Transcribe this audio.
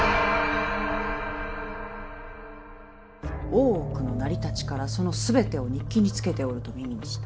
大奥の成り立ちからその全てを日記につけておると耳にした。